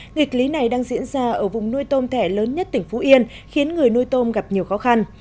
nghịch lý này đang diễn ra ở vùng nuôi tôm thẻ lớn nhất tỉnh phú yên khiến người nuôi tôm gặp nhiều khó khăn